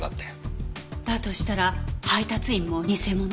だとしたら配達員も偽者？